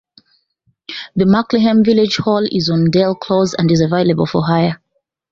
The Mickleham Village Hall is on Dell Close and is available for hire.